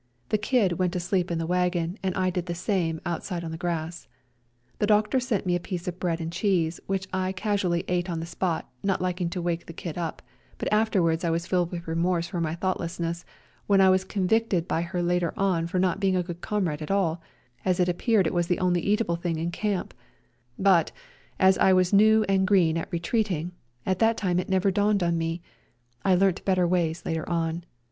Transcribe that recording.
The Kid went to sleep in the wagon and I did the same outside on the grass. The doctor sent me a piece of bread and cheese, which I casually ate on the spot, not liking to wake the Kid up, but afterwards I was filled with remorse for my thoughtlessness, when I was convicted by her later on for not being a good comrade at all, as it appeared it was the only eatable thing in camp ; but, as I was new and green at " retreating," at that time it never dawned on me : I learnt better ways^ later on.